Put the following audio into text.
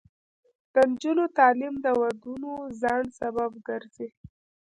د نجونو تعلیم د ودونو ځنډ سبب ګرځي.